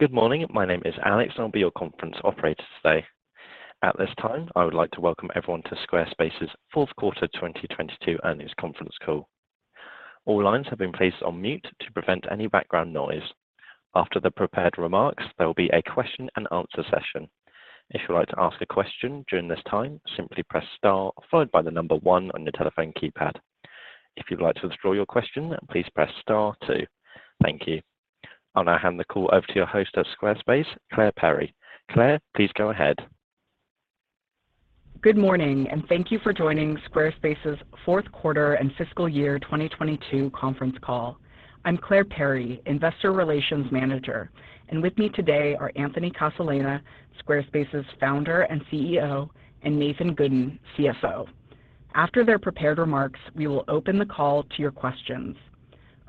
Good morning. My name is Alex, and I'll be your conference operator today. At this time, I would like to welcome everyone to Squarespace's fourth quarter 2022 earnings conference call. All lines have been placed on mute to prevent any background noise. After the prepared remarks, there will be a question and answer session. If you'd like to ask a question during this time, simply press star followed by one on your telephone keypad. If you'd like to withdraw your question, please press star two. Thank you. I'll now hand the call over to your host of Squarespace, Clare Perry. Clare, please go ahead. Good morning. Thank you for joining Squarespace's fourth quarter and fiscal year 2022 conference call. I'm Clare Perry, Investor Relations Manager, and with me today are Anthony Casalena, Squarespace's Founder and CEO, and Nathan Gooden, CFO. After their prepared remarks, we will open the call to your questions.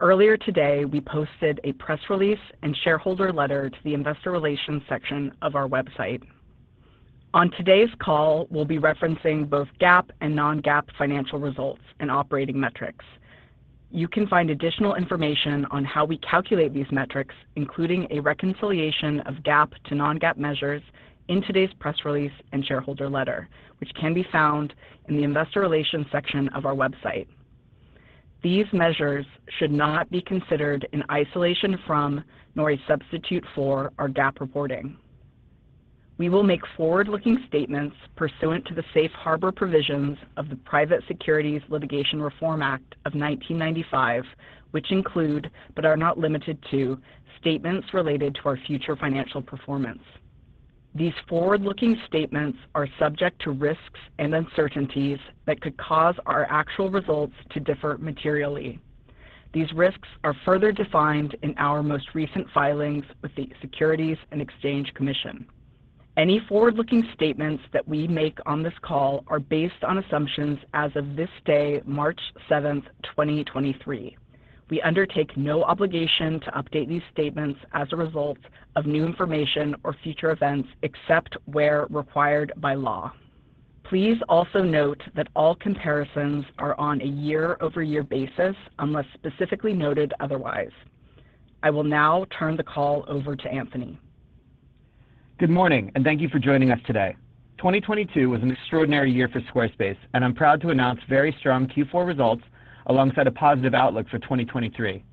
Earlier today, we posted a press release and shareholder letter to the investor relations section of our website. On today's call, we'll be referencing both GAAP and non-GAAP financial results and operating metrics. You can find additional information on how we calculate these metrics, including a reconciliation of GAAP to non-GAAP measures in today's press release and shareholder letter, which can be found in the investor relations section of our website. These measures should not be considered in isolation from, nor a substitute for, our GAAP reporting. We will make forward-looking statements pursuant to the Safe Harbor provisions of the Private Securities Litigation Reform Act of 1995, which include, but are not limited to, statements related to our future financial performance. These forward-looking statements are subject to risks and uncertainties that could cause our actual results to differ materially. These risks are further defined in our most recent filings with the Securities and Exchange Commission. Any forward-looking statements that we make on this call are based on assumptions as of this day, March 7, 2023. We undertake no obligation to update these statements as a result of new information or future events except where required by law. Please also note that all comparisons are on a year-over-year basis unless specifically noted otherwise. I will now turn the call over to Anthony. Good morning. Thank you for joining us today. 2022 was an extraordinary year for Squarespace, and I'm proud to announce very strong Q4 results alongside a positive outlook for 2023.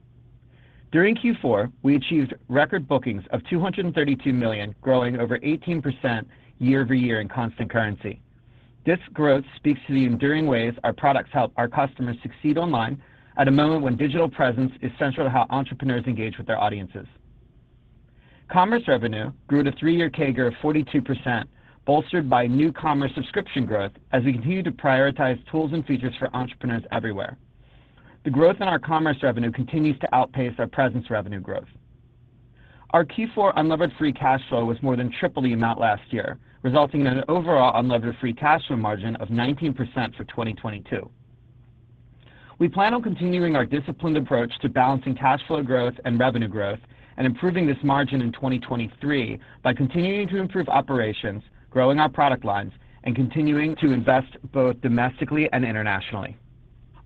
During Q4, we achieved record bookings of $232 million, growing over 18% year-over-year in constant currency. This growth speaks to the enduring ways our products help our customers succeed online at a moment when digital presence is central to how entrepreneurs engage with their audiences. Commerce revenue grew at a three-year CAGR of 42%, bolstered by new commerce subscription growth as we continue to prioritize tools and features for entrepreneurs everywhere. The growth in our commerce revenue continues to outpace our presence revenue growth. Our Q4 unlevered free cash flow was more than triple the amount last year, resulting in an overall unlevered free cash flow margin of 19% for 2022. We plan on continuing our disciplined approach to balancing cash flow growth and revenue growth and improving this margin in 2023 by continuing to improve operations, growing our product lines, and continuing to invest both domestically and internationally.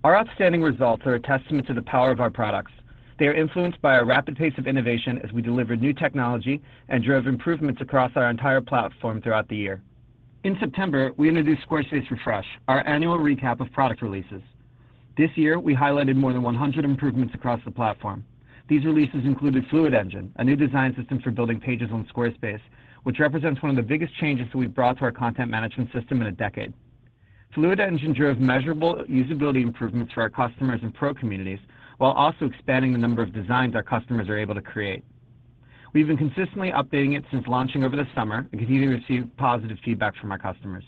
Our outstanding results are a testament to the power of our products. They are influenced by our rapid pace of innovation as we deliver new technology and drove improvements across our entire platform throughout the year. In September, we introduced Squarespace Refresh, our annual recap of product releases. This year, we highlighted more than 100 improvements across the platform. These releases included Fluid Engine, a new design system for building pages on Squarespace, which represents one of the biggest changes that we've brought to our content management system in a decade. Fluid Engine drove measurable usability improvements for our customers and pro communities while also expanding the number of designs our customers are able to create. We've been consistently updating it since launching over the summer and continue to receive positive feedback from our customers.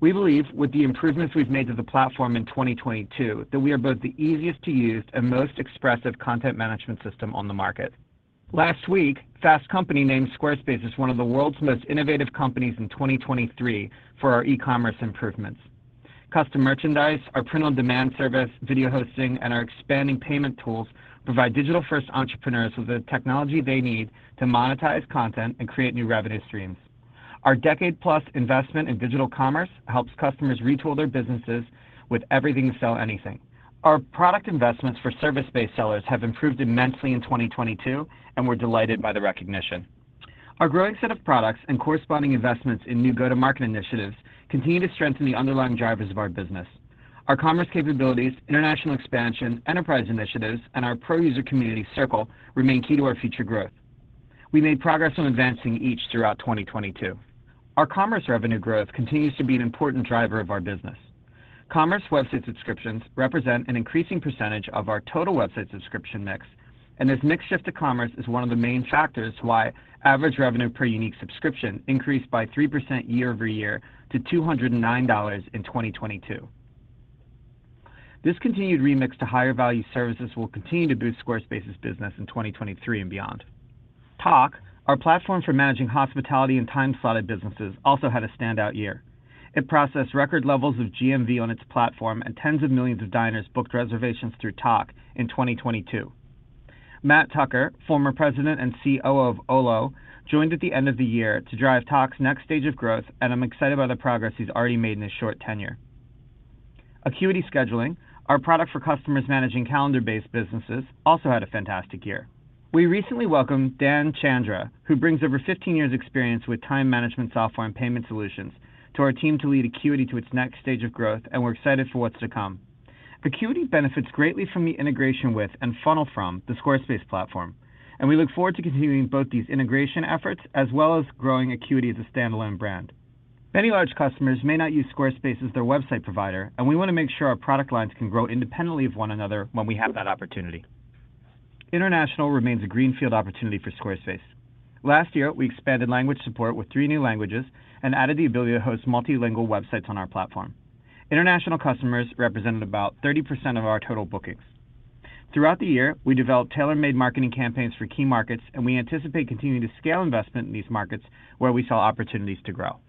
We believe with the improvements we've made to the platform in 2022, that we are both the easiest to use and most expressive content management system on the market. Last week, Fast Company named Squarespace as one of the world's most innovative companies in 2023 for our e-commerce improvements. Custom merchandise, our print-on-demand service, video hosting, and our expanding payment tools provide digital-first entrepreneurs with the technology they need to monetize content and create new revenue streams. Our decade-plus investment in digital commerce helps customers retool their businesses with everything to sell anything. Our product investments for service-based sellers have improved immensely in 2022, and we're delighted by the recognition. Our growing set of products and corresponding investments in new go-to-market initiatives continue to strengthen the underlying drivers of our business. Our commerce capabilities, international expansion, enterprise initiatives, and our pro user community Squarespace Circle remain key to our future growth. We made progress on advancing each throughout 2022. Our commerce revenue growth continues to be an important driver of our business. Commerce website subscriptions represent an increasing percentage of our total website subscription mix, and this mix shift to commerce is one of the main factors why average revenue per unique subscription increased by 3% year-over-year to $209 in 2022. This continued remix to higher value services will continue to boost Squarespace's business in 2023 and beyond. Tock, our platform for managing hospitality and time-slotted businesses, also had a standout year. It processed record levels of GMV on its platform, and tens of millions of diners booked reservations through Tock in 2022. Matt Tucker, former president and CEO of Olo, joined at the end of the year to drive Tock's next stage of growth, and I'm excited by the progress he's already made in his short tenure. Acuity Scheduling, our product for customers managing calendar-based businesses, also had a fantastic year. We recently welcomed Dan Chandre, who brings over 15 years experience with time management software and payment solutions to our team to lead Acuity to its next stage of growth. We're excited for what's to come. Acuity benefits greatly from the integration with and funnel from the Squarespace platform. We look forward to continuing both these integration efforts as well as growing Acuity as a standalone brand. Many large customers may not use Squarespace as their website provider. We want to make sure our product lines can grow independently of one another when we have that opportunity. International remains a greenfield opportunity for Squarespace. Last year, we expanded language support with three new languages and added the ability to host multilingual websites on our platform. International customers represented about 30% of our total bookings. Throughout the year, we developed tailor-made marketing campaigns for key markets, and we anticipate continuing to scale investment in these markets where we saw opportunities to grow.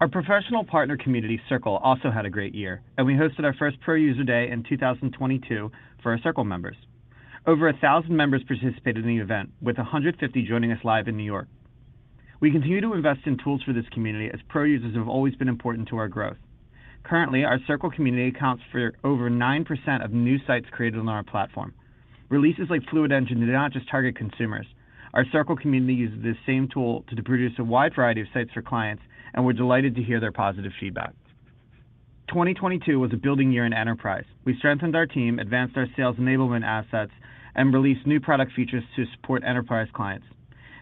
Our professional partner community, Circle, also had a great year, and we hosted our first Pro user day in 2022 for our Circle members. Over 1,000 members participated in the event, with 150 joining us live in New York. We continue to invest in tools for this community, as Pro users have always been important to our growth. Currently, our Circle community accounts for over 9% of new sites created on our platform. Releases like Fluid Engine do not just target consumers. Our Circle community uses this same tool to produce a wide variety of sites for clients, and we're delighted to hear their positive feedback. 2022 was a building year in enterprise. We strengthened our team, advanced our sales enablement assets, and released new product features to support enterprise clients.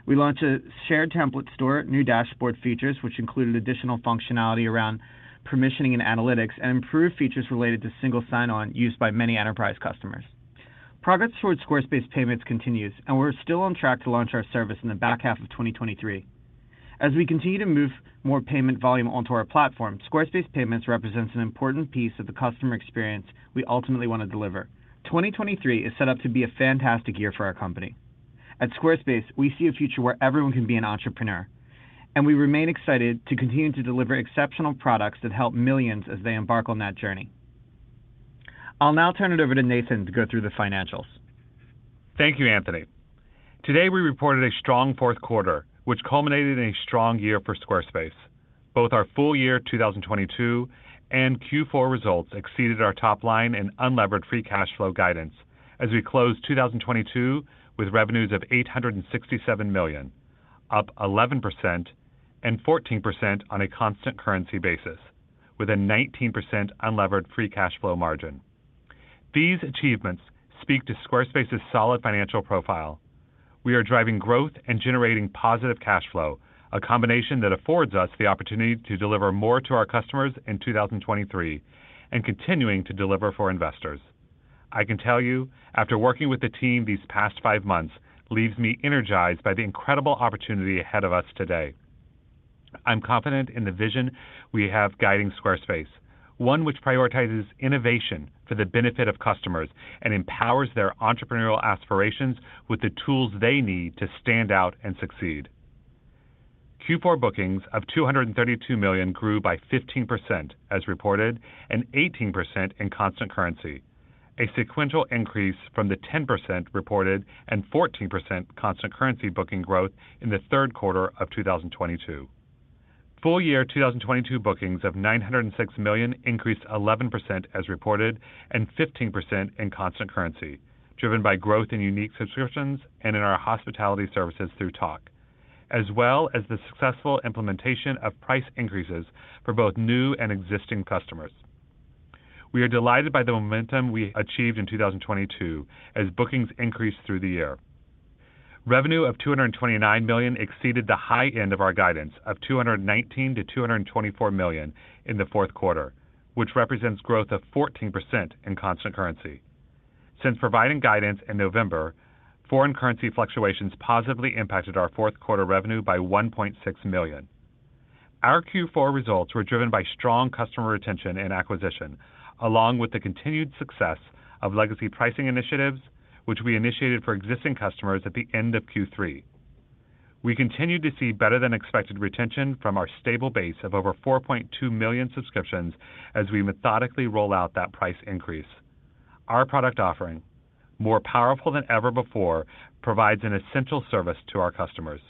We launched a shared template store, new dashboard features, which included additional functionality around permissioning and analytics, and improved features related to single sign-on used by many enterprise customers. Progress towards Squarespace Payments continues, and we're still on track to launch our service in the back half of 2023. As we continue to move more payment volume onto our platform, Squarespace Payments represents an important piece of the customer experience we ultimately want to deliver. 2023 is set up to be a fantastic year for our company. At Squarespace, we see a future where everyone can be an entrepreneur, and we remain excited to continue to deliver exceptional products that help millions as they embark on that journey. I'll now turn it over to Nathan to go through the financials. Thank you, Anthony. Today we reported a strong fourth quarter which culminated in a strong year for Squarespace. Both our full year 2022 and Q4 results exceeded our top line and unlevered free cash flow guidance as we closed 2022 with revenues of $867 million, up 11% and 14% on a constant currency basis with a 19% unlevered free cash flow margin. These achievements speak to Squarespace's solid financial profile. We are driving growth and generating positive cash flow, a combination that affords us the opportunity to deliver more to our customers in 2023 and continuing to deliver for investors. I can tell you after working with the team these past five months leaves me energized by the incredible opportunity ahead of us today. I'm confident in the vision we have guiding Squarespace, one which prioritizes innovation for the benefit of customers and empowers their entrepreneurial aspirations with the tools they need to stand out and succeed. Q4 bookings of $232 million grew by 15% as reported, and 18% in constant currency, a sequential increase from the 10% reported and 14% constant currency booking growth in the third quarter of 2022. Full year 2022 bookings of $906 million increased 11% as reported and 15% in constant currency, driven by growth in unique subscriptions and in our hospitality services through Tock, as well as the successful implementation of price increases for both new and existing customers. We are delighted by the momentum we achieved in 2022 as bookings increased through the year. Revenue of $229 million exceeded the high end of our guidance of $219 million-$224 million in the fourth quarter, which represents growth of 14% in constant currency. Since providing guidance in November, foreign currency fluctuations positively impacted our fourth quarter revenue by $1.6 million. Our Q4 results were driven by strong customer retention and acquisition, along with the continued success of legacy pricing initiatives which we initiated for existing customers at the end of Q3. We continue to see better than expected retention from our stable base of over 4.2 million subscriptions as we methodically roll out that price increase. Our product offering, more powerful than ever before, provides an essential service to our customers.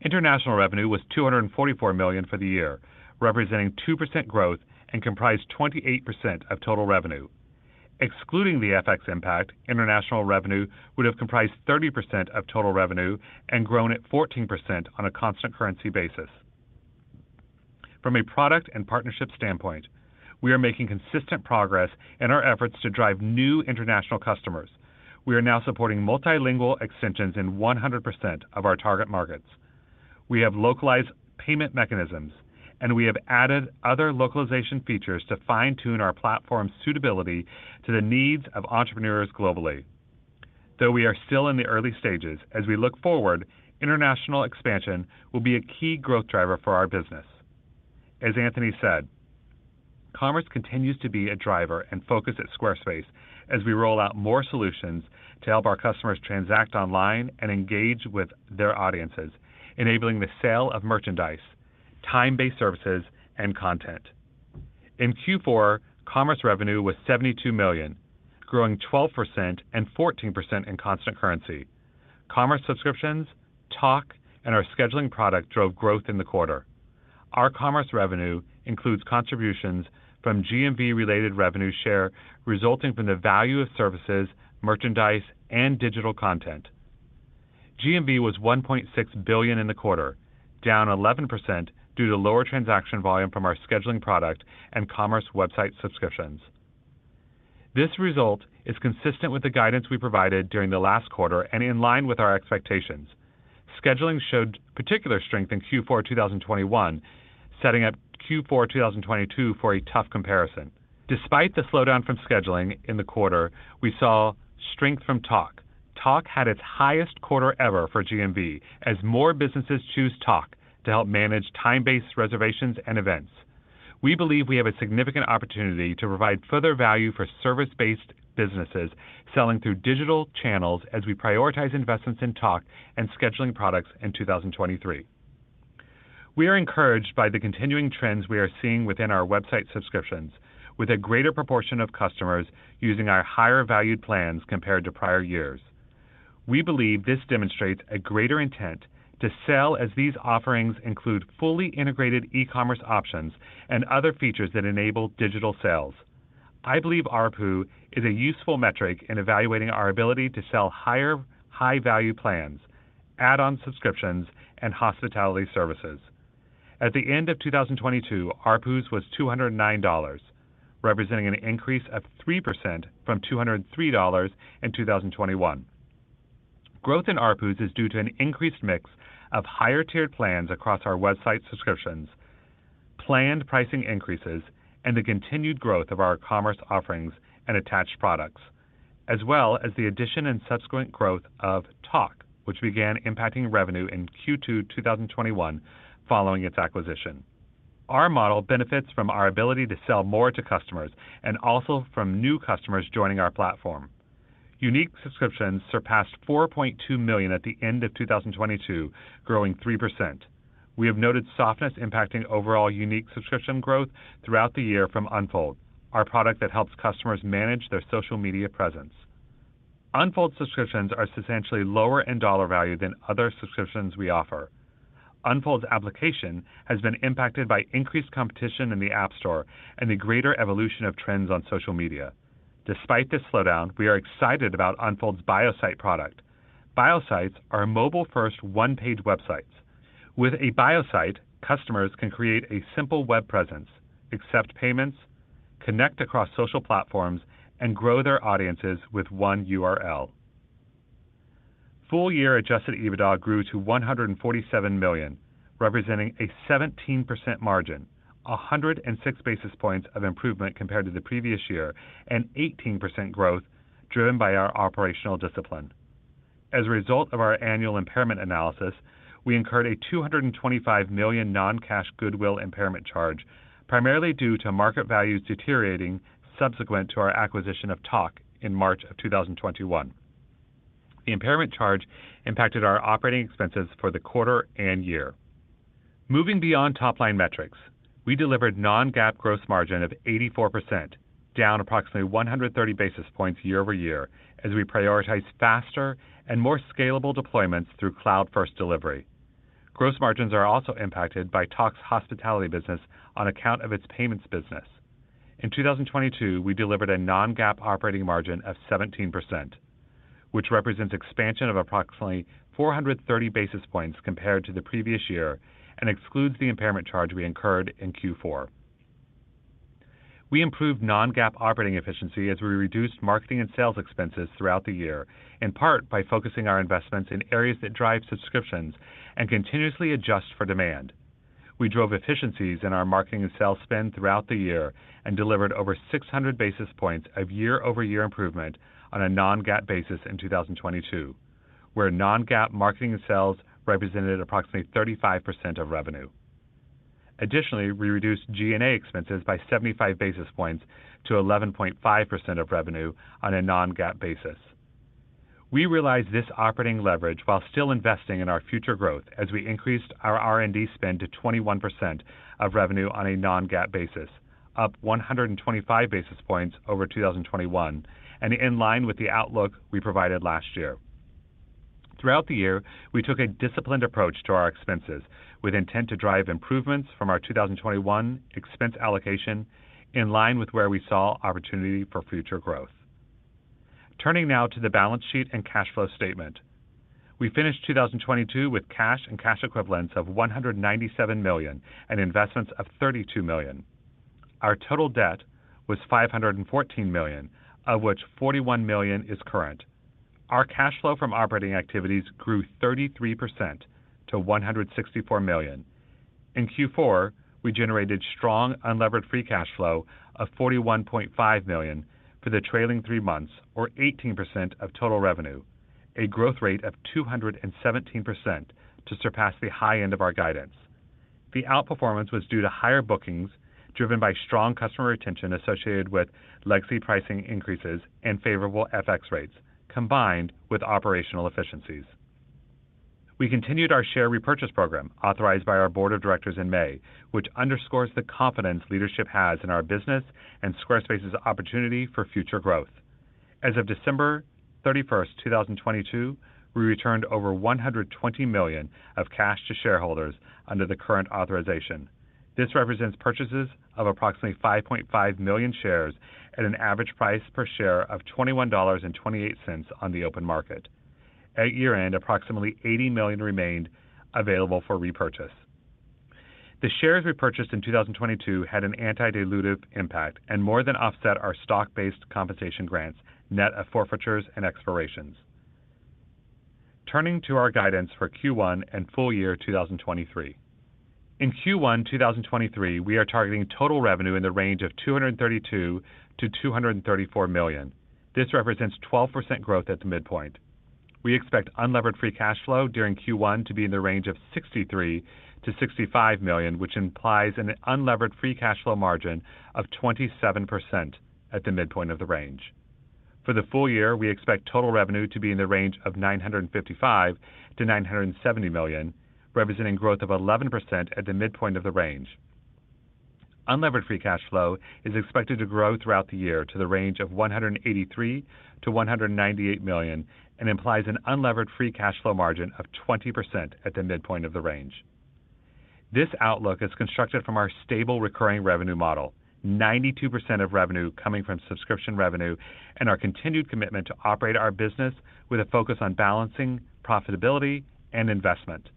International revenue was $244 million for the year, representing 2% growth and comprised 28% of total revenue. Excluding the FX impact, international revenue would have comprised 30% of total revenue and grown at 14% on a constant currency basis. From a product and partnership standpoint, we are making consistent progress in our efforts to drive new international customers. We are now supporting multilingual extensions in 100% of our target markets. We have localized payment mechanisms, and we have added other localization features to fine-tune our platform suitability to the needs of entrepreneurs globally. Though we are still in the early stages, as we look forward, international expansion will be a key growth driver for our business. As Anthony said, commerce continues to be a driver and focus at Squarespace as we roll out more solutions to help our customers transact online and engage with their audiences, enabling the sale of merchandise, time-based services and content. In Q4, commerce revenue was $72 million, growing 12% and 14% in constant currency. Commerce subscriptions, Tock, and our scheduling product drove growth in the quarter. Our commerce revenue includes contributions from GMV-related revenue share resulting from the value of services, merchandise, and digital content. GMV was $1.6 billion in the quarter, down 11% due to lower transaction volume from our scheduling product and commerce website subscriptions. This result is consistent with the guidance we provided during the last quarter and in line with our expectations. Scheduling showed particular strength in Q4 2021, setting up Q4 2022 for a tough comparison. Despite the slowdown from scheduling in the quarter, we saw strength from Tock. Tock had its highest quarter ever for GMV as more businesses choose Tock to help manage time-based reservations and events. We believe we have a significant opportunity to provide further value for service-based businesses selling through digital channels as we prioritize investments in Tock and scheduling products in 2023. We are encouraged by the continuing trends we are seeing within our website subscriptions with a greater proportion of customers using our higher valued plans compared to prior years. We believe this demonstrates a greater intent to sell as these offerings include fully integrated e-commerce options and other features that enable digital sales. I believe ARPU is a useful metric in evaluating our ability to sell higher high-value plans, add-on subscriptions, and hospitality services. At the end of 2022, ARPUs was $209, representing an increase of 3% from $203 in 2021. Growth in ARPUs is due to an increased mix of higher-tiered plans across our website subscriptions, planned pricing increases, and the continued growth of our commerce offerings and attached products, as well as the addition and subsequent growth of Tock, which began impacting revenue in Q2 2021 following its acquisition. Our model benefits from our ability to sell more to customers and also from new customers joining our platform. Unique subscriptions surpassed 4.2 million at the end of 2022, growing 3%. We have noted softness impacting overall unique subscription growth throughout the year from Unfold, our product that helps customers manage their social media presence. Unfold subscriptions are substantially lower in dollar value than other subscriptions we offer. Unfold's application has been impacted by increased competition in the App Store and the greater evolution of trends on social media. Despite this slowdown, we are excited about Unfold's Bio Site product. Bio Sites are mobile-first one-page websites. With a Bio Site, customers can create a simple web presence, accept payments, connect across social platforms, and grow their audiences with one URL. Full year adjusted EBITDA grew to $147 million, representing a 17% margin, 106 basis points of improvement compared to the previous year, and 18% growth driven by our operational discipline. As a result of our annual impairment analysis, we incurred a $225 million non-cash goodwill impairment charge, primarily due to market values deteriorating subsequent to our acquisition of Tock in March 2021. The impairment charge impacted our operating expenses for the quarter and year. Moving beyond top-line metrics, we delivered non-GAAP gross margin of 84%, down approximately 130 basis points year-over-year as we prioritize faster and more scalable deployments through cloud-first delivery. Gross margins are also impacted by Tock's hospitality business on account of its payments business. In 2022, we delivered a non-GAAP operating margin of 17%, which represents expansion of approximately 430 basis points compared to the previous year and excludes the impairment charge we incurred in Q4. We improved non-GAAP operating efficiency as we reduced marketing and sales expenses throughout the year, in part by focusing our investments in areas that drive subscriptions and continuously adjust for demand. We drove efficiencies in our marketing and sales spend throughout the year and delivered over 600 basis points of year-over-year improvement on a non-GAAP basis in 2022, where non-GAAP marketing and sales represented approximately 35% of revenue. Additionally, we reduced G&A expenses by 75 basis points to 11.5% of revenue on a non-GAAP basis. We realized this operating leverage while still investing in our future growth as we increased our R&D spend to 21% of revenue on a non-GAAP basis, up 125 basis points over 2021 and in line with the outlook we provided last year. Throughout the year, we took a disciplined approach to our expenses with intent to drive improvements from our 2021 expense allocation in line with where we saw opportunity for future growth. Turning now to the balance sheet and cash flow statement. We finished 2022 with cash and cash equivalents of $197 million and investments of $32 million. Our total debt was $514 million, of which $41 million is current. Our cash flow from operating activities grew 33% to $164 million. In Q4, we generated strong unlevered free cash flow of $41.5 million for the trailing three months, or 18% of total revenue, a growth rate of 217% to surpass the high end of our guidance. The outperformance was due to higher bookings driven by strong customer retention associated with legacy pricing increases and favorable FX rates combined with operational efficiencies. We continued our share repurchase program authorized by our board of directors in May, which underscores the confidence leadership has in our business and Squarespace's opportunity for future growth. As of December 31st, 2022, we returned over $120 million of cash to shareholders under the current authorization. This represents purchases of approximately 5.5 million shares at an average price per share of $21.28 on the open market. At year-end, approximately $80 million remained available for repurchase. The shares repurchased in 2022 had an anti-dilutive impact and more than offset our stock-based compensation grants, net of forfeitures and expirations. Turning to our guidance for Q1 and full year 2023. In Q1 2023, we are targeting total revenue in the range of $232 million-$234 million. This represents 12% growth at the midpoint. We expect unlevered free cash flow during Q1 to be in the range of $63 million-$65 million, which implies an unlevered free cash flow margin of 27% at the midpoint of the range. For the full year, we expect total revenue to be in the range of $955 million-$970 million, representing growth of 11% at the midpoint of the range. Unlevered free cash flow is expected to grow throughout the year to the range of $183 million-$198 million and implies an unlevered free cash flow margin of 20% at the midpoint of the range. This outlook is constructed from our stable recurring revenue model, 92% of revenue coming from subscription revenue and our continued commitment to operate our business with a focus on balancing profitability and investment.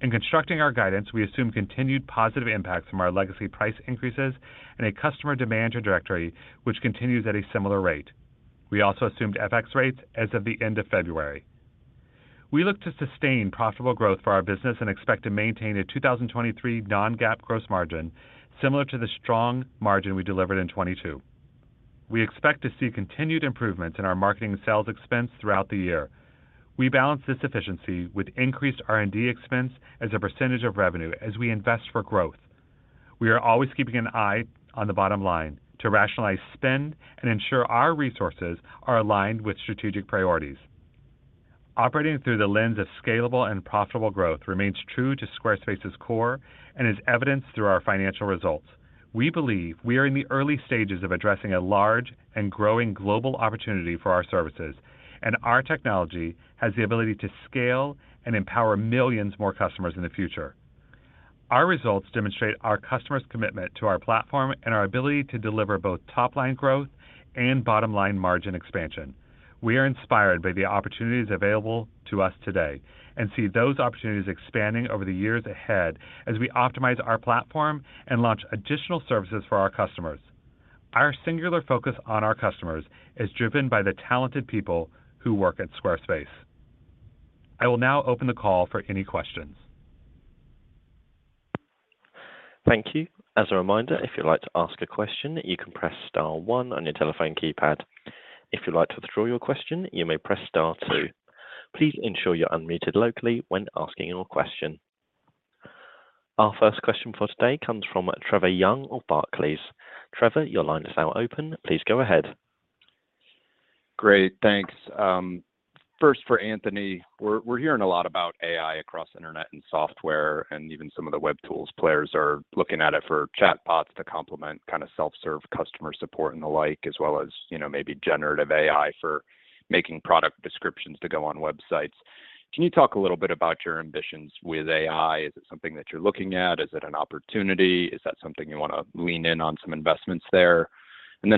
In constructing our guidance, we assume continued positive impacts from our legacy price increases and a customer demand trajectory, which continues at a similar rate. We also assumed FX rates as of the end of February. We look to sustain profitable growth for our business and expect to maintain a 2023 non-GAAP gross margin similar to the strong margin we delivered in 2022. We expect to see continued improvements in our marketing sales expense throughout the year. We balance this efficiency with increased R&D expense as a percentage of revenue as we invest for growth. We are always keeping an eye on the bottom line to rationalize spend and ensure our resources are aligned with strategic priorities. Operating through the lens of scalable and profitable growth remains true to Squarespace's core and is evidenced through our financial results. We believe we are in the early stages of addressing a large and growing global opportunity for our services, and our technology has the ability to scale and empower millions more customers in the future. Our results demonstrate our customers' commitment to our platform and our ability to deliver both top-line growth and bottom-line margin expansion. We are inspired by the opportunities available to us today and see those opportunities expanding over the years ahead as we optimize our platform and launch additional services for our customers. Our singular focus on our customers is driven by the talented people who work at Squarespace. I will now open the call for any questions. Thank you. As a reminder, if you'd like to ask a question, you can press star one on your telephone keypad. If you'd like to withdraw your question, you may press star two. Please ensure you're unmuted locally when asking your question. Our first question for today comes from Trevor Young of Barclays. Trevor, your line is now open. Please go ahead. Great. Thanks. First for Anthony. We're hearing a lot about AI across internet and software, and even some of the web tools players are looking at it for chatbots to complement kind of self-serve customer support and the like, as well as, you know, maybe generative AI for making product descriptions to go on websites. Can you talk a little bit about your ambitions with AI? Is it something that you're looking at? Is it an opportunity? Is that something you wanna lean in on some investments there?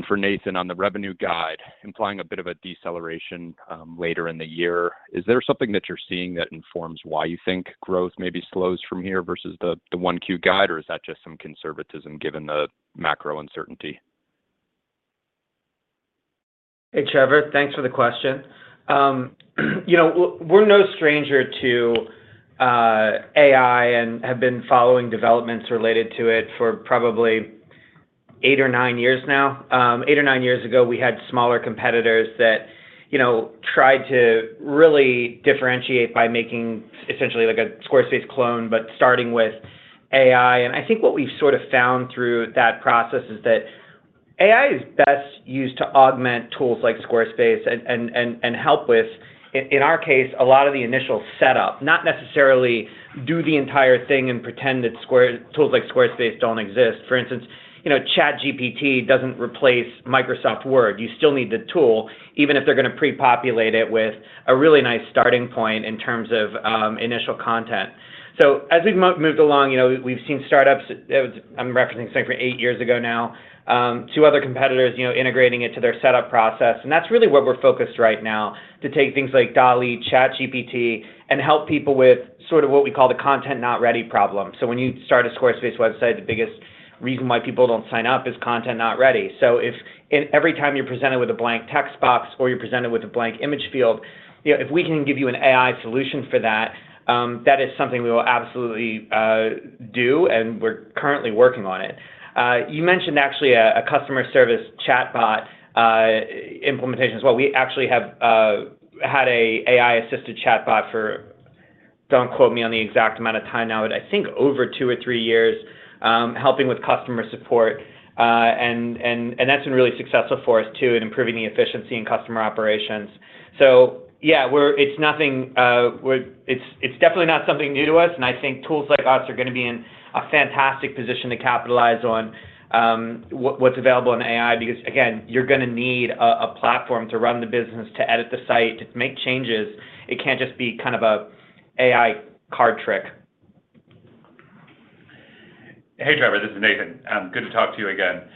For Nathan, on the revenue guide, implying a bit of a deceleration later in the year. Is there something that you're seeing that informs why you think growth maybe slows from here versus the 1Q guide, or is that just some conservatism given the macro uncertainty? Hey, Trevor. Thanks for the question. You know, we're no stranger to AI and have been following developments related to it for probably eight or nine years now. Eight or nine years ago, we had smaller competitors that, you know, tried to really differentiate by making essentially like a Squarespace clone, but starting with AI. I think what we've sort of found through that process is that AI is best used to augment tools like Squarespace and help with, in our case, a lot of the initial setup, not necessarily do the entire thing and pretend that tools like Squarespace don't exist. For instance, you know, ChatGPT doesn't replace Microsoft Word. You still need the tool, even if they're gonna pre-populate it with a really nice starting point in terms of initial content. As we've moved along, you know, we've seen startups, I'm referencing something from eight years ago now, to other competitors, you know, integrating it to their setup process, that's really what we're focused right now, to take things like DALL-E, ChatGPT, and help people with sort of what we call the content not ready problem. When you start a Squarespace website, the biggest reason why people don't sign up is content not ready. If in every time you're presented with a blank text box or you're presented with a blank image field, you know, if we can give you an AI solution for that is something we will absolutely do, we're currently working on it. You mentioned actually a customer service chatbot implementation as well. We actually have had a AI-assisted chatbot for Don't quote me on the exact amount of time now, but I think over two or three years, helping with customer support. And that's been really successful for us, too, in improving the efficiency in customer operations. Yeah, it's nothing, it's definitely not something new to us, and I think tools like us are gonna be in a fantastic position to capitalize on what's available in AI because again, you're gonna need a platform to run the business, to edit the site, to make changes. It can't just be kind of a AI card trick. Hey Trevor, this is Nathan. Good to talk to you again.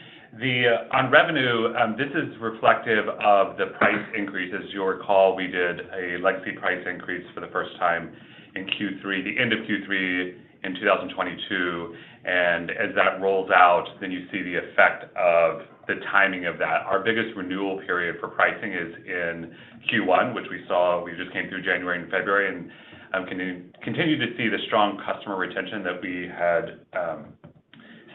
On revenue, this is reflective of the price increases. You'll recall we did a legacy price increase for the first time in Q3, the end of Q3 in 2022, and as that rolls out, then you see the effect of the timing of that. Our biggest renewal period for pricing is in Q1, which we saw. We just came through January and February, and continue to see the strong customer retention that we had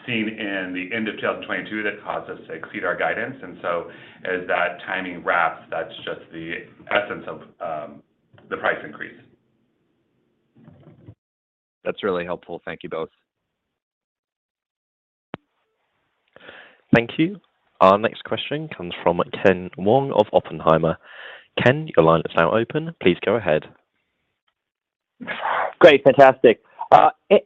seen in the end of 2022 that caused us to exceed our guidance. As that timing wraps, that's just the essence of the price increase. That's really helpful. Thank you both. Thank you. Our next question comes from Ken Wong of Oppenheimer. Ken, your line is now open. Please go ahead. Great. Fantastic.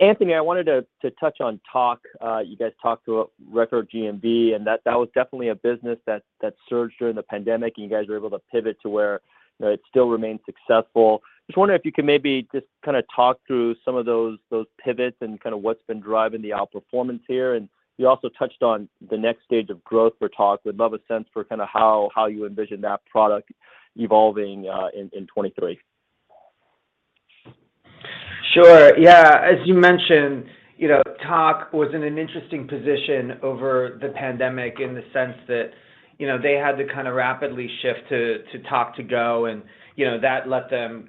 Anthony, I wanted to touch on Tock. You guys talked to a record GMV, and that was definitely a business that surged during the pandemic, and you guys were able to pivot to where, you know, it still remains successful. Just wondering if you could maybe just kinda talk through some of those pivots and kinda what's been driving the outperformance here. You also touched on the next stage of growth for Tock. Would love a sense for kinda how you envision that product evolving in 2023. Sure. Yeah. As you mentioned, you know, Tock was in an interesting position over the pandemic in the sense that, you know, they had to kinda rapidly shift to Tock To Go, and, you know, that let them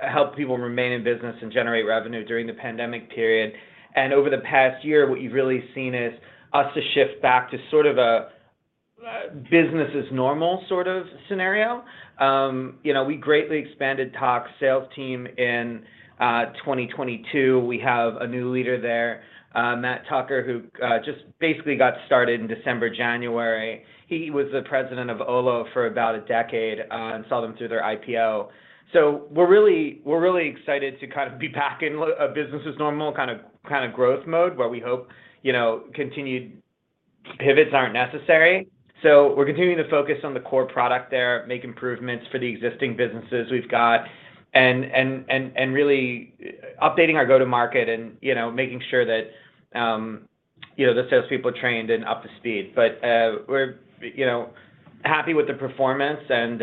help people remain in business and generate revenue during the pandemic period. Over the past year, what you've really seen is us to shift back to sort of a business as normal sort of scenario. You know, we greatly expanded Tock sales team in 2022. We have a new leader there, Matt Tucker, who just basically got started in December, January. He was the president of Olo for about a decade and saw them through their IPO. We're really excited to kind of be back in a business as normal kind of growth mode where we hope, you know, continued pivots aren't necessary. We're continuing to focus on the core product there, make improvements for the existing businesses we've got, and really updating our go-to-market and, you know, making sure that, you know, the salespeople are trained and up to speed. We're, you know, happy with the performance and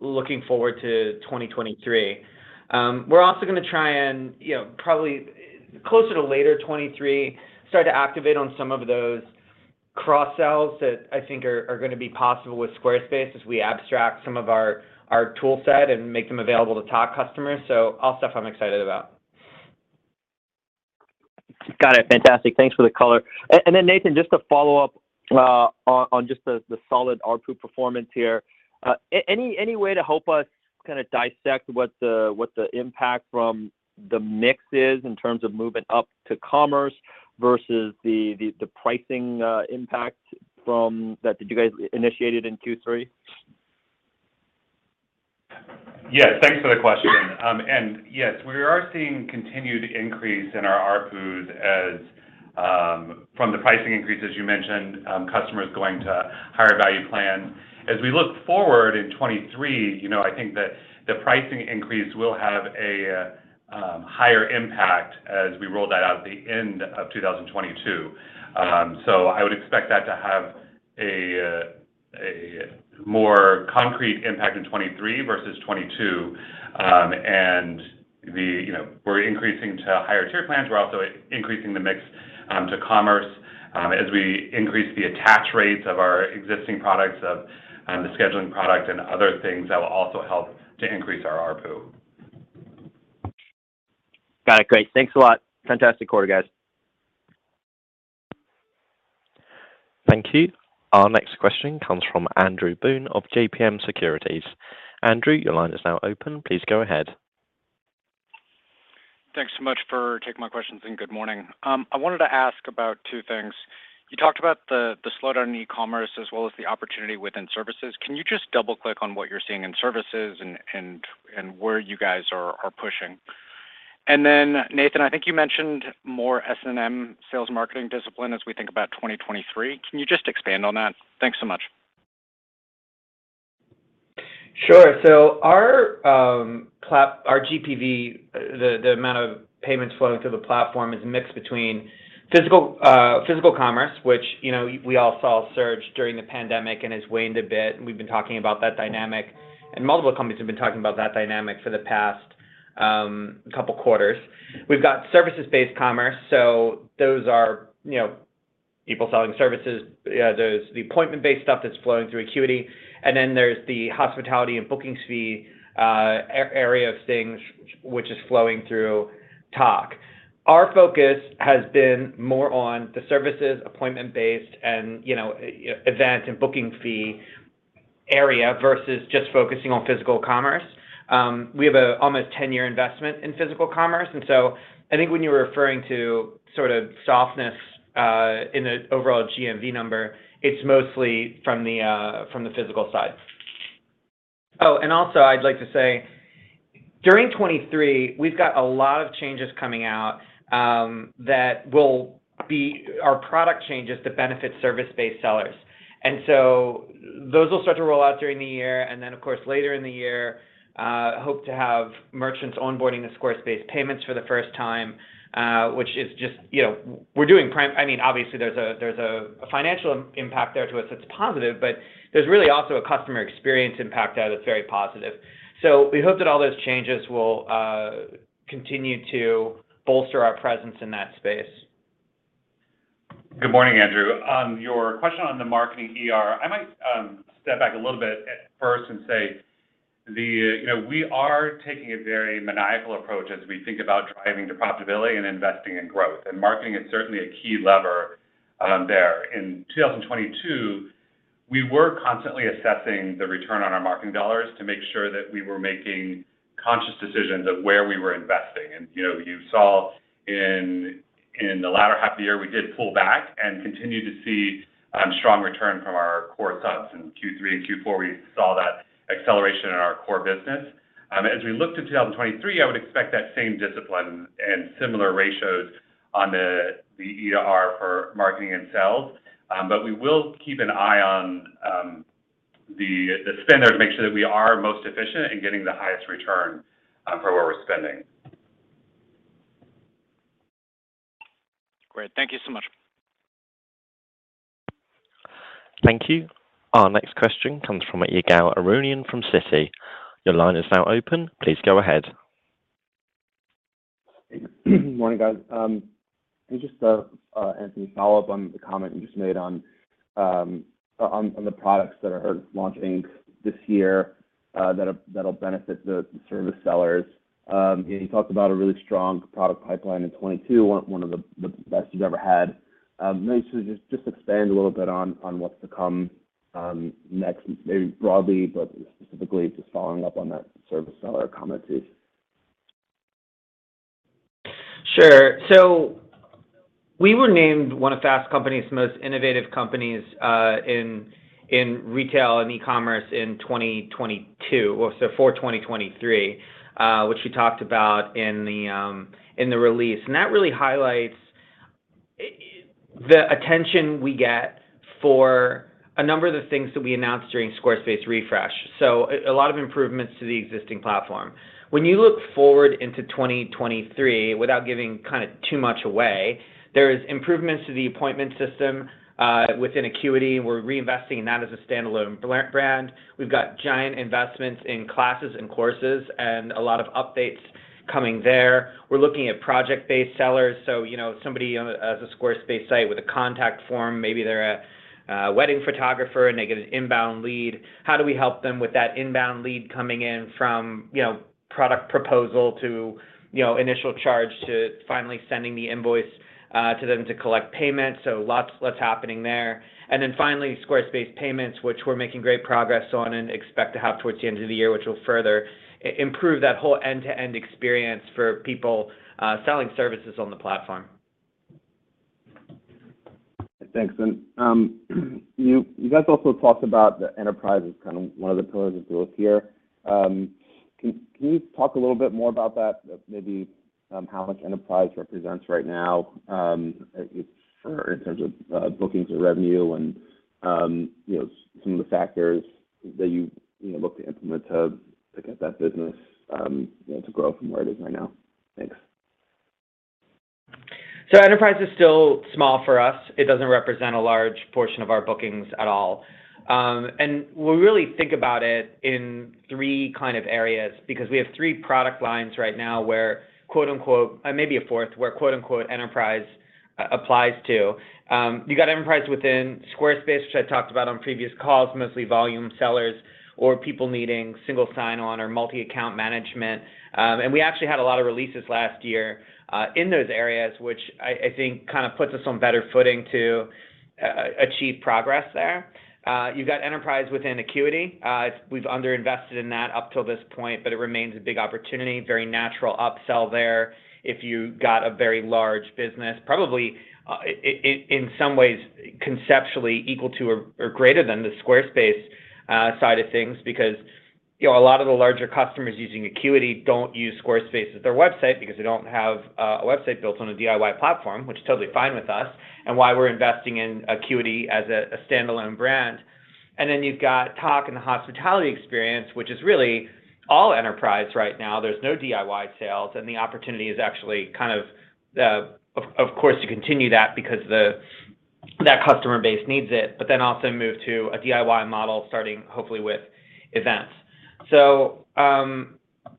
looking forward to 2023. We're also gonna try and, you know, probably closer to later 2023, start to activate on some of those cross-sells that I think are gonna be possible with Squarespace as we abstract some of our tool set and make them available to Tock customers. All stuff I'm excited about. Got it. Fantastic. Thanks for the color. Nathan, just to follow up on just the solid ARPU performance here. any way to help us kinda dissect what the impact from the mix is in terms of moving up to commerce versus the pricing impact from that you guys initiated in Q3? Yes. Thanks for the question. Yes, we are seeing continued increase in our ARPU as from the pricing increase, as you mentioned, customers going to higher value plan. As we look forward in 23, you know, I think that the pricing increase will have a higher impact as we roll that out at the end of 2022. I would expect that to have a more concrete impact in 23 versus 22. You know, we're increasing to higher tier plans. We're also increasing the mix to commerce as we increase the attach rates of our existing products of the scheduling product and other things that will also help to increase our ARPU. Got it. Great. Thanks a lot. Fantastic quarter, guys. Thank you. Our next question comes from Andrew Boone of JMP Securities. Andrew, your line is now open. Please go ahead. Thanks so much for taking my questions, good morning. I wanted to ask about two things. You talked about the slowdown in e-commerce as well as the opportunity within services. Can you just double-click on what you're seeing in services and where you guys are pushing? Nathan, I think you mentioned more S&M sales marketing discipline as we think about 2023. Can you just expand on that? Thanks so much. Our GPV, the amount of payments flowing through the platform is a mix between physical commerce, which, you know, we all saw surge during the pandemic and has waned a bit. We've been talking about that dynamic, and multiple companies have been talking about that dynamic for the past couple quarters. We've got services-based commerce, so those are, you know, people selling services. There's the appointment-based stuff that's flowing through Acuity, and then there's the hospitality and booking fee area of things which is flowing through Tock. Our focus has been more on the services, appointment-based and, you know, event and booking fee area versus just focusing on physical commerce. We have a almost 10-year investment in physical commerce. I think when you were referring to sort of softness in the overall GMV number, it's mostly from the physical side. I'd like to say, during 2023, we've got a lot of changes coming out that will be our product changes to benefit service-based sellers. Those will start to roll out during the year. Of course, later in the year, hope to have merchants onboarding the Squarespace Payments for the first time, which is just, you know, we're doing prime. I mean, obviously, there's a financial impact there to us that's positive, but there's really also a customer experience impact that is very positive. We hope that all those changes will continue to bolster our presence in that space. Good morning, Andrew. Your question on the marketing ER, I might step back a little bit at first and say, you know, we are taking a very maniacal approach as we think about driving the profitability and investing in growth. Marketing is certainly a key lever there. In 2022, we were constantly assessing the return on our marketing dollars to make sure that we were making conscious decisions of where we were investing. You know, you saw in the latter half of the year, we did pull back and continue to see strong return from our core subs. In Q3 and Q4, we saw that acceleration in our core business. As we look to 2023, I would expect that same discipline and similar ratios on the ER for marketing and sales. We will keep an eye on the spend there to make sure that we are most efficient in getting the highest return for where we're spending. Great. Thank you so much. Thank you. Our next question comes from Ygal Arounian from Citi. Your line is now open. Please go ahead. Morning, guys. Just a follow-up on the comment you just made on the products that are launching this year that'll benefit the service sellers. You talked about a really strong product pipeline in 22, one of the best you've ever had. Maybe just expand a little bit on what's to come next, maybe broadly, but specifically just following up on that service seller comment please. Sure. We were named one of Fast Company's most innovative companies in retail and e-commerce in 2022. For 2023, which we talked about in the release. That really highlights the attention we get for a number of the things that we announced during Squarespace Refresh. A lot of improvements to the existing platform. When you look forward into 2023, without giving kind of too much away, there is improvements to the appointment system within Acuity, and we're reinvesting in that as a standalone brand. We've got giant investments in classes and courses, and a lot of updates coming there. We're looking at project-based sellers. You know, somebody has a Squarespace site with a contact form, maybe they're a wedding photographer, and they get an inbound lead. How do we help them with that inbound lead coming in from, you know, product proposal to, you know, initial charge to finally sending the invoice to them to collect payments. Lots happening there. Finally, Squarespace Payments, which we're making great progress on and expect to have towards the end of the year, which will further improve that whole end-to-end experience for people selling services on the platform. Thanks. You guys also talked about the enterprise as kind of one of the pillars of growth here. Can you talk a little bit more about that, maybe, how much enterprise represents right now, it's for in terms of bookings or revenue and, you know, some of the factors that you know, look to implement to get that business, you know, to grow from where it is right now? Thanks. Enterprise is still small for us. It doesn't represent a large portion of our bookings at all. We really think about it in three kind of areas because we have three product lines right now where quote-unquote, maybe a fourth, where quote-unquote enterprise applies to. You got enterprise within Squarespace, which I talked about on previous calls, mostly volume sellers or people needing single sign-on or multi-account management. We actually had a lot of releases last year in those areas, which I think kind of puts us on better footing to achieve progress there. You've got enterprise within Acuity. We've underinvested in that up till this point. It remains a big opportunity, very natural upsell there if you got a very large business, probably in some ways conceptually equal to or greater than the Squarespace side of things, because, you know, a lot of the larger customers using Acuity don't use Squarespace as their website because they don't have a website built on a DIY platform, which is totally fine with us, and why we're investing in Acuity as a standalone brand. You've got Tock and the hospitality experience, which is really all enterprise right now. There's no DIY sales. The opportunity is actually kind of course, to continue that because that customer base needs it. Also move to a DIY model starting hopefully with events.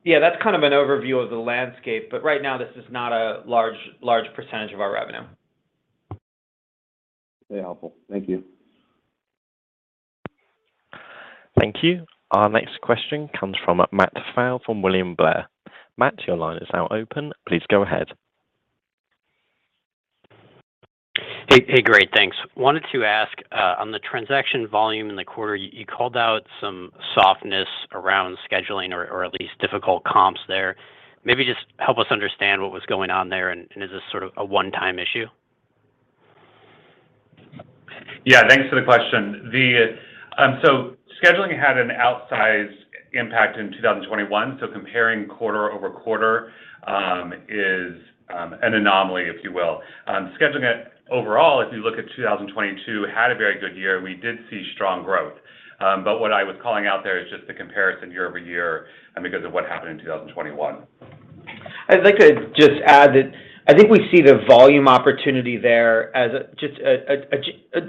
Yeah, that's kind of an overview of the landscape. Right now, this is not a large percentage of our revenue. Very helpful. Thank you. Thank you. Our next question comes from Matt Pfau from William Blair. Matt, your line is now open. Please go ahead. Hey, hey, great. Thanks. Wanted to ask, on the transaction volume in the quarter, you called out some softness around scheduling or at least difficult comps there. Maybe just help us understand what was going on there and is this sort of a one-time issue? Yeah, thanks for the question. scheduling had an outsized impact in 2021, comparing quarter-over-quarter is an anomaly, if you will. scheduling it overall, if you look at 2022, had a very good year. We did see strong growth. what I was calling out there is just the comparison year-over-year and because of what happened in 2021. I'd like to just add that I think we see the volume opportunity there as just a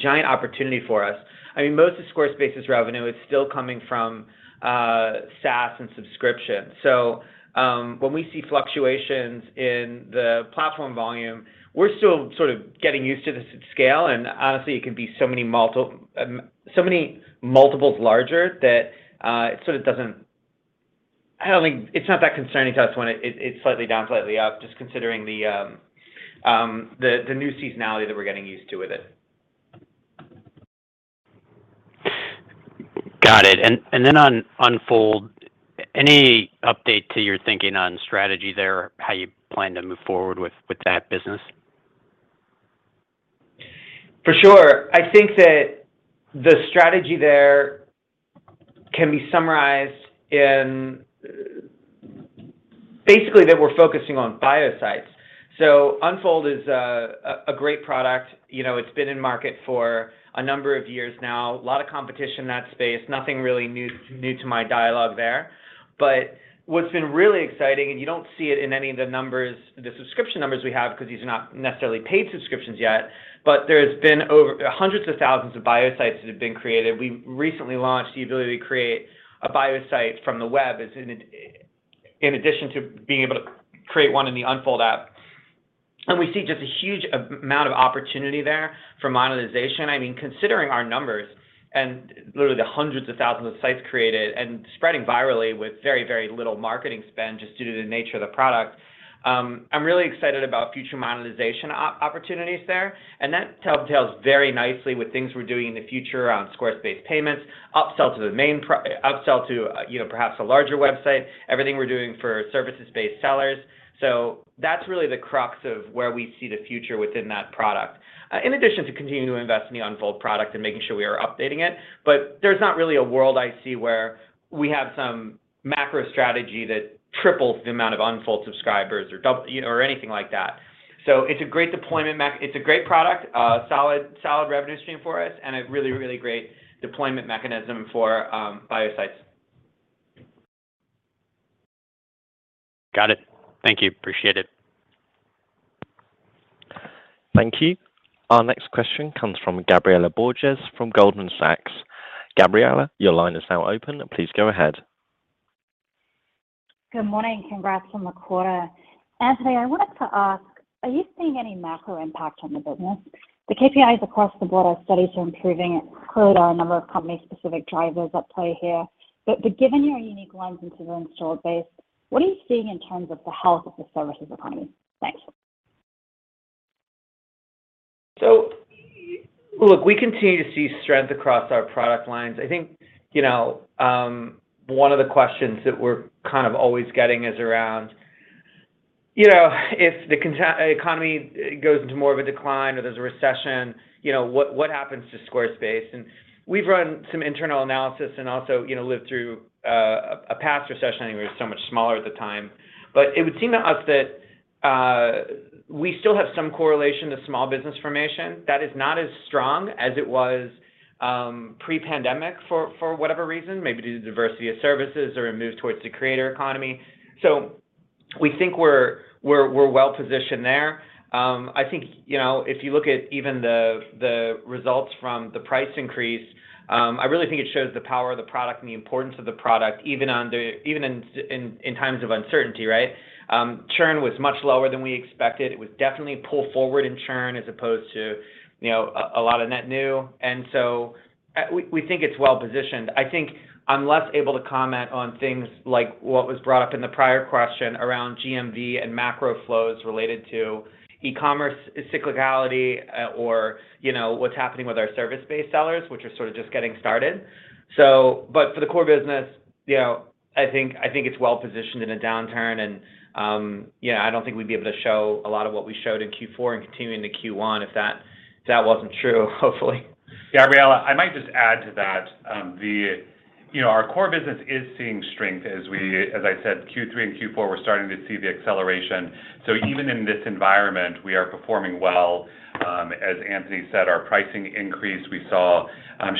giant opportunity for us. I mean, most of Squarespace's revenue is still coming from SaaS and subscription. When we see fluctuations in the platform volume, we're still sort of getting used to this scale, and honestly, it can be so many multiples larger that it sort of doesn't, I don't think, it's not that concerning to us when it's slightly down, slightly up, just considering the new seasonality that we're getting used to with it. Got it. On Unfold, any update to your thinking on strategy there, how you plan to move forward with that business? For sure. I think that the strategy there can be summarized in basically that we're focusing on Bio Sites. Unfold is a great product. You know, it's been in market for a number of years now. A lot of competition in that space. Nothing really new to my dialogue there. What's been really exciting, and you don't see it in any of the numbers, the subscription numbers we have, because these are not necessarily paid subscriptions yet, but there's been over hundreds of thousands of Bio Sites that have been created. We recently launched the ability to create a Bio Site from the web in addition to being able to create one in the Unfold app, we see just a huge amount of opportunity there for monetization. I mean, considering our numbers and literally the hundreds of thousands of sites created and spreading virally with very, very little marketing spend just due to the nature of the product, I'm really excited about future monetization opportunities there. That tells very nicely with things we're doing in the future on Squarespace Payments, upsell to, you know, perhaps a larger website, everything we're doing for services-based sellers. That's really the crux of where we see the future within that product. In addition to continuing to invest in the Unfold product and making sure we are updating it. There's not really a world I see where we have some macro strategy that triples the amount of Unfold subscribers or double, you know, or anything like that. It's a great product, a solid revenue stream for us, and a really great deployment mechanism for Bio Sites. Got it. Thank you. Appreciate it. Thank you. Our next question comes from Gabriela Borges from Goldman Sachs. Gabriela, your line is now open. Please go ahead. Good morning. Congrats on the quarter. Anthony, I wanted to ask, are you seeing any macro impact on the business? The KPIs across the board are steady to improving. It could on a number of company-specific drivers at play here. Given your unique lens into the installed base, what are you seeing in terms of the health of the services economy? Thanks. Look, we continue to see strength across our product lines. I think, you know, one of the questions that we're kind of always getting is around, you know, if the economy goes into more of a decline or there's a recession, you know, what happens to Squarespace? We've run some internal analysis and also, you know, lived through a past recession. I think we were so much smaller at the time. It would seem to us that we still have some correlation to small business formation that is not as strong as it was pre-pandemic for whatever reason, maybe due to the diversity of services or a move towards the creator economy. We think we're well positioned there. I think, you know, if you look at even the results from the price increase, I really think it shows the power of the product and the importance of the product even in times of uncertainty, right? Churn was much lower than we expected. It was definitely pull forward in churn as opposed to, you know, a lot of net new. We, we think it's well positioned. I think I'm less able to comment on things like what was brought up in the prior question around GMV and macro flows related to e-commerce cyclicality, or, you know, what's happening with our service-based sellers, which are sort of just getting started. For the core business, you know, I think it's well positioned in a downturn and, you know, I don't think we'd be able to show a lot of what we showed in Q4 and continuing to Q1 if that wasn't true, hopefully. Gabriela, I might just add to that. You know, our core business is seeing strength As I said, Q3 and Q4, we're starting to see the acceleration. Even in this environment, we are performing well. As Anthony said, our pricing increase, we saw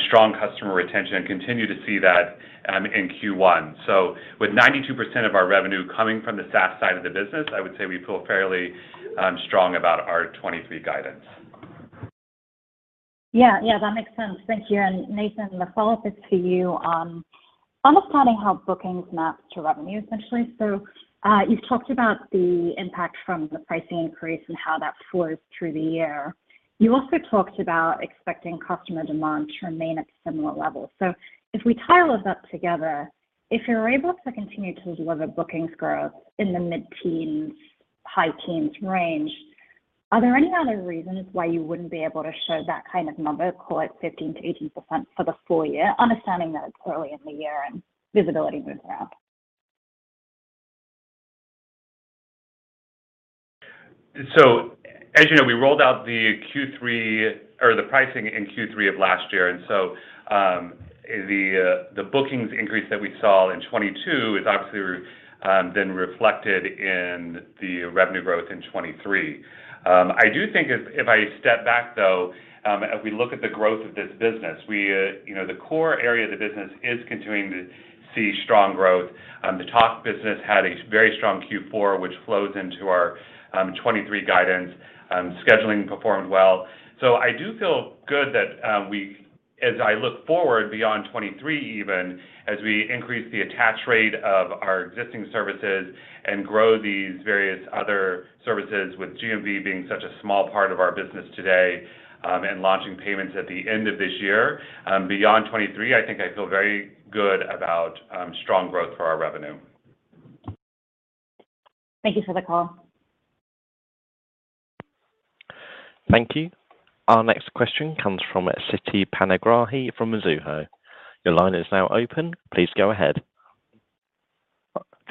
strong customer retention and continue to see that in Q1. With 92% of our revenue coming from the SaaS side of the business, I would say we feel fairly strong about our 23 guidance. Yeah. Yeah, that makes sense. Thank you. Nathan, the follow-up is to you on understanding how bookings map to revenue, essentially. You've talked about the impact from the pricing increase and how that flows through the year. You also talked about expecting customer demand to remain at similar levels. If we tie all of that together, if you're able to continue to deliver bookings growth in the mid-teens, high-teens range, are there any other reasons why you wouldn't be able to show that kind of number, call it 15%-18% for the full year, understanding that it's early in the year and visibility moves around? As you know, we rolled out the pricing in Q3 of last year. The bookings increase that we saw in 2022 is obviously then reflected in the revenue growth in 2023. I do think if I step back, though, as we look at the growth of this business, we, you know, the core area of the business is continuing to see strong growth. The Tock business had a very strong Q4, which flows into our 2023 guidance. Scheduling performed well. I do feel good that we, as I look forward beyond 2023 even, as we increase the attach rate of our existing services and grow these various other services with GMV being such a small part of our business today, and launching payments at the end of this year beyond 23, I think I feel very good about strong growth for our revenue. Thank you for the call. Thank you. Our next question comes from Siti Panigrahi from Mizuho. Your line is now open. Please go ahead.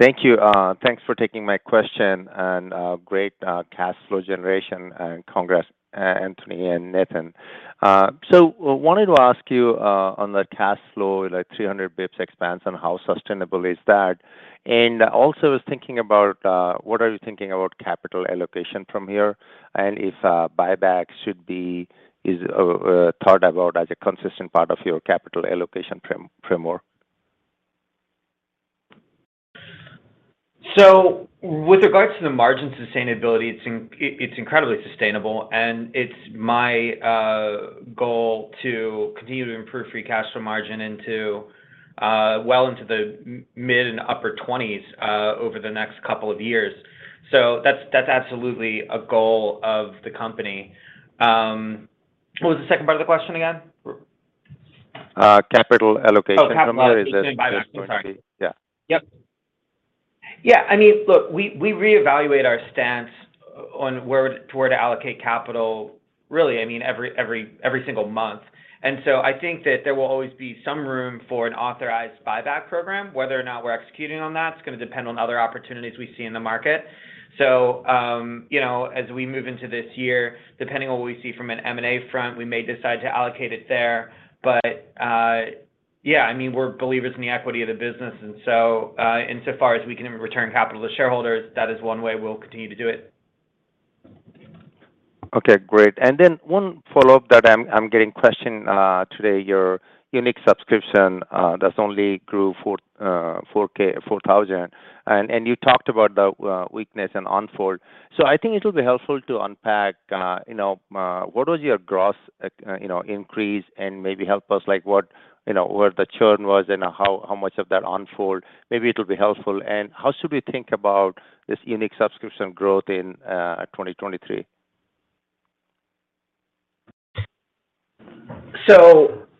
Thank you. Thanks for taking my question and great cash flow generation, and congrats, Anthony and Nathan. Wanted to ask you on the cash flow, like 300 BPS expansion and how sustainable is that? Also was thinking about what are you thinking about capital allocation from here, and if buyback should be is thought about as a consistent part of your capital allocation framework? With regards to the margin sustainability, it's incredibly sustainable, and it's my goal to continue to improve free cash flow margin into well into the mid and upper twenties over the next couple of years. That's absolutely a goal of the company. What was the second part of the question again? Capital allocation. Oh, capital allocation. From here is it. Buyback. Sorry. Yeah. Yep. Yeah, I mean, look, we reevaluate our stance on where to allocate capital, really, I mean, every single month. I think that there will always be some room for an authorized buyback program. Whether or not we're executing on that, it's gonna depend on other opportunities we see in the market. You know, as we move into this year, depending on what we see from an M&A front, we may decide to allocate it there. Yeah, I mean, we're believers in the equity of the business and so, insofar as we can return capital to shareholders, that is one way we'll continue to do it. Okay, great. One follow-up that I'm getting questioned today, your unique subscription that's only grew 4,000. You talked about the weakness in Unfold. I think it'll be helpful to unpack, you know, what was your gross, you know, increase and maybe help us, like what, you know, where the churn was and how much of that Unfold? Maybe it'll be helpful. How should we think about this unique subscription growth in 2023?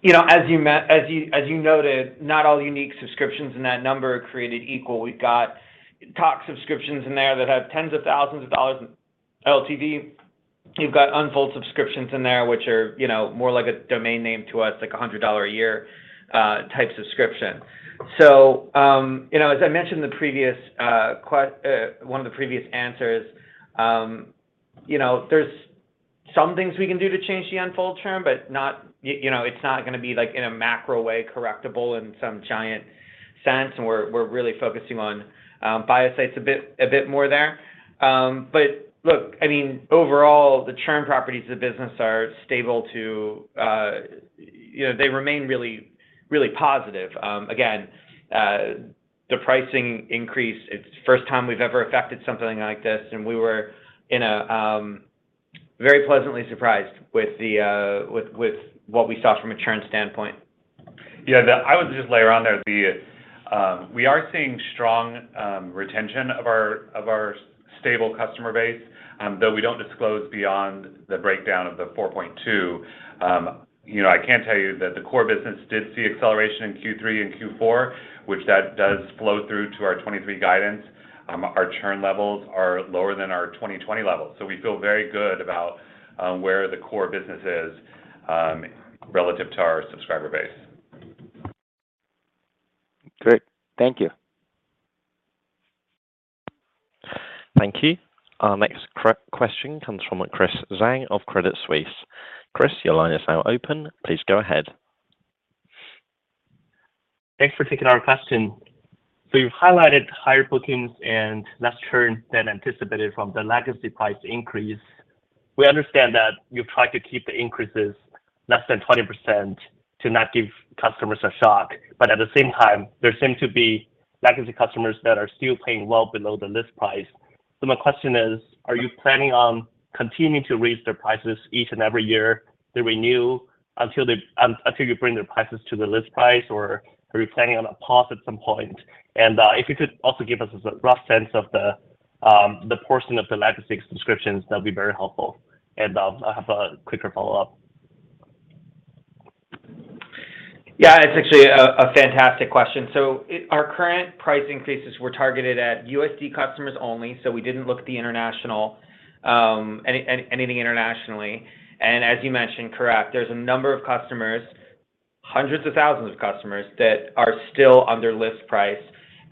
You know, as you noted, not all unique subscriptions in that number are created equal. We've got Tock subscriptions in there that have tens of thousands of dollars in LTV. You've got Unfold subscriptions in there, which are, you know, more like a domain name to us, like a $100 a year type subscription. You know, as I mentioned in the previous, one of the previous answers, you know, there's some things we can do to change the Unfold term, but not, you know, it's not gonna be like in a macro way correctable in some giant sense. We're really focusing on Bio Sites a bit more there. Look, I mean, overall, the churn properties of the business are stable to, you know, they remain really positive. Again, the pricing increase, it's the first time we've ever affected something like this, and we were very pleasantly surprised with what we saw from a churn standpoint. I would just layer on there, we are seeing strong retention of our stable customer base, though we don't disclose beyond the breakdown of the 4.2. You know, I can tell you that the core business did see acceleration in Q3 and Q4, which that does flow through to our 2023 guidance. Our churn levels are lower than our 2020 levels. We feel very good about where the core business is relative to our subscriber base. Great. Thank you. Thank you. Our next question comes from Chris Zhang of Credit Suisse. Chris, your line is now open. Please go ahead. Thanks for taking our question. You've highlighted higher bookings and less churn than anticipated from the legacy price increase. We understand that you've tried to keep the increases less than 20% to not give customers a shock. At the same time, there seem to be legacy customers that are still paying well below the list price. My question is, are you planning on continuing to raise their prices each and every year they renew until you bring their prices to the list price, or are you planning on a pause at some point? If you could also give us a rough sense of the portion of the legacy subscriptions, that'd be very helpful. I have a quicker follow-up. Yeah, it's actually a fantastic question. Our current price increases were targeted at USD customers only, so we didn't look at the international, anything internationally. As you mentioned, correct, there's a number of customers, hundreds of thousands of customers that are still under list price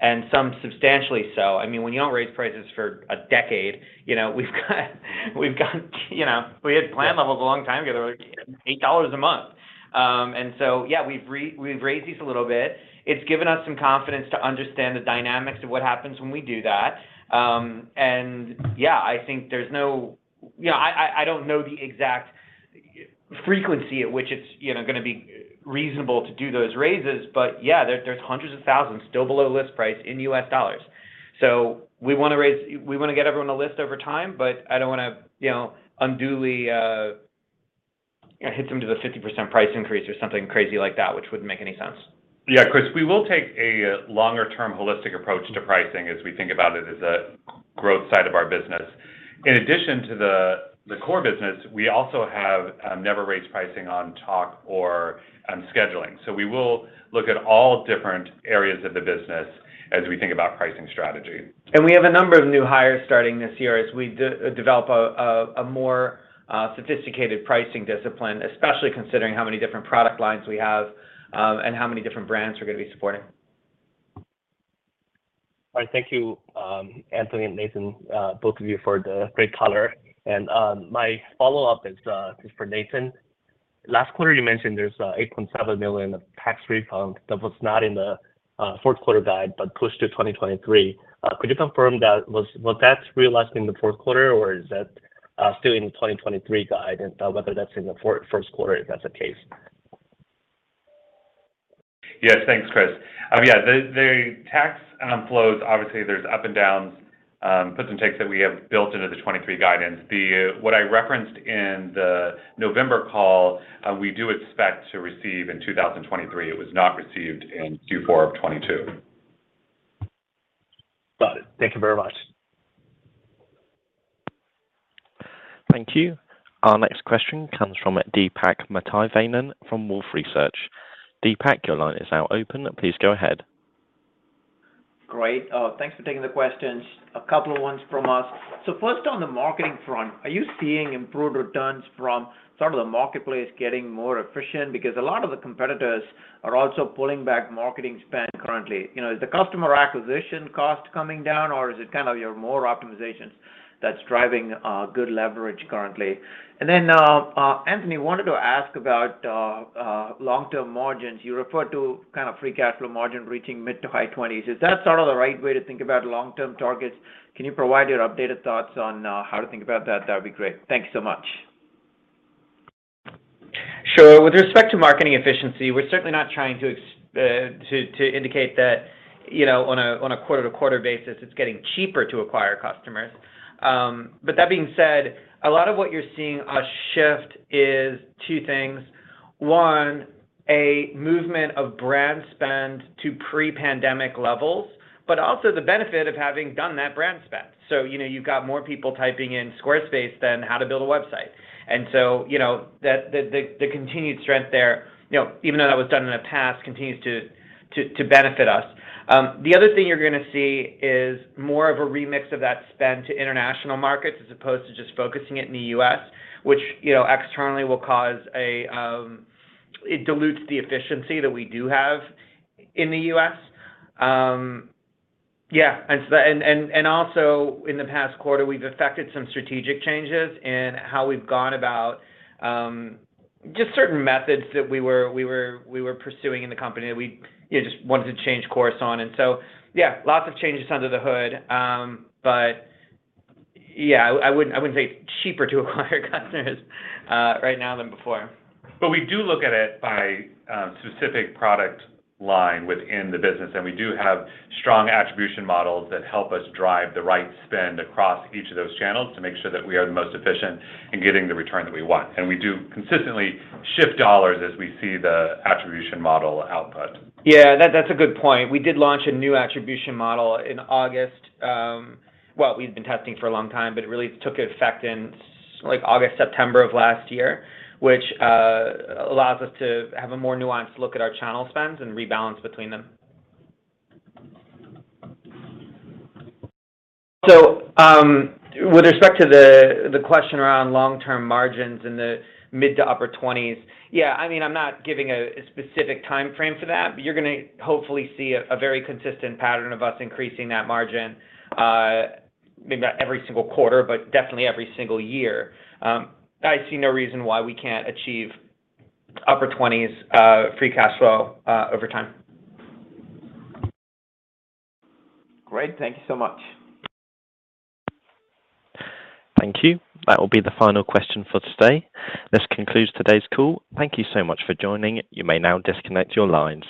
and some substantially so. I mean, when you don't raise prices for a decade, you know, we've got, you know, we had plan levels a long time ago that were $8 a month. Yeah, we've raised these a little bit. It's given us some confidence to understand the dynamics of what happens when we do that. Yeah, I think there's no you know, I don't know the exact frequency at which it's, you know, gonna be reasonable to do those raises, but there's hundreds of thousands still below list price in U.S. dollars. We wanna raise. We wanna get everyone to list over time, but I don't wanna, you know, unduly hit them to the 50% price increase or something crazy like that, which wouldn't make any sense. Yeah, Chris, we will take a longer-term holistic approach to pricing as we think about it as a growth side of our business. In addition to the core business, we also have never raised pricing on Tock or scheduling. We will look at all different areas of the business as we think about pricing strategy. We have a number of new hires starting this year as we develop a more sophisticated pricing discipline, especially considering how many different product lines we have, and how many different brands we're going to be supporting. All right. Thank you, Anthony and Nathan, both of you for the great color. My follow-up is for Nathan. Last quarter, you mentioned there's $8.7 million of tax refund that was not in the fourth quarter guide, but pushed to 2023. Could you confirm was that realized in the fourth quarter or is that still in the 2023 guide, and whether that's in the first quarter if that's the case? Yes. Thanks, Chris. Yeah, the tax, flows, obviously, there's up and downs, puts and takes that we have built into the 2023 guidance. The, what I referenced in the November call, we do expect to receive in 2023. It was not received in Q4 of 2022. Got it. Thank you very much. Thank you. Our next question comes from Deepak Mathivanan from Wolfe Research. Deepak, your line is now open. Please go ahead. Great. Thanks for taking the questions. A couple of ones from us. First on the marketing front, are you seeing improved returns from some of the marketplace getting more efficient? Because a lot of the competitors are also pulling back marketing spend currently. You know, is the customer acquisition cost coming down or is it kind of your more optimizations that's driving good leverage currently? Then, Anthony, wanted to ask about long-term margins. You referred to kind of free cash flow margin reaching mid-to-high 20s%. Is that sort of the right way to think about long-term targets? Can you provide your updated thoughts on how to think about that? That'd be great. Thank you so much. Sure. With respect to marketing efficiency, we're certainly not trying to indicate that, you know, on a, on a quarter-to-quarter basis it's getting cheaper to acquire customers. But that being said, a lot of what you're seeing a shift is two things. One, a movement of brand spend to pre-pandemic levels, but also the benefit of having done that brand spend. You know, you've got more people typing in Squarespace than how to build a website. You know, the continued strength there, you know, even though that was done in the past, continues to benefit us. The other thing you're gonna see is more of a remix of that spend to international markets as opposed to just focusing it in the US, which, you know, externally will cause a. It dilutes the efficiency that we do have in the U.S. Yeah. Also in the past quarter, we've affected some strategic changes in how we've gone about just certain methods that we were pursuing in the company that we, you know, just wanted to change course on. Yeah, lots of changes under the hood. Yeah, I wouldn't say cheaper to acquire customers right now than before. We do look at it by specific product line within the business, and we do have strong attribution models that help us drive the right spend across each of those channels to make sure that we are the most efficient in getting the return that we want. We do consistently shift dollars as we see the attribution model output. Yeah, that's a good point. We did launch a new attribution model in August. Well, we've been testing for a long time, but it really took effect in like August, September of last year, which allows us to have a more nuanced look at our channel spends and rebalance between them. With respect to the question around long-term margins in the mid to upper 20s, yeah, I mean, I'm not giving a specific timeframe for that, but you're gonna hopefully see a very consistent pattern of us increasing that margin, maybe not every single quarter, but definitely every single year. I see no reason why we can't achieve upper twenties, free cash flow, over time. Great. Thank you so much. Thank you. That will be the final question for today. This concludes today's call. Thank you so much for joining. You may now disconnect your lines.